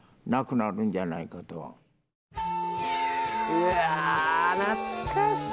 うわ懐かしい！